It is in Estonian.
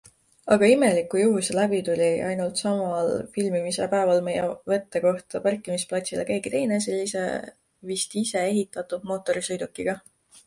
Aga imeliku juhuse läbi tuli ainult samal filmimise päeval meie võttekohta parkimisplatsile keegi teine sellise vist iseehitatud mootorsõidukiga.